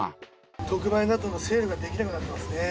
特売などのセールができなくなってますね。